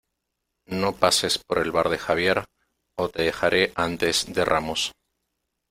No pases por el bar de Javier o te dejaré antes de Ramos.